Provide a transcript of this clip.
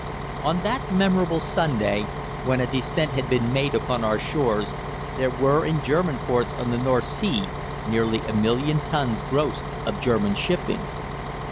On that memorable Sunday, when a descent had been made upon our shores, there were in German ports on the North Sea nearly a million tons gross of German shipping.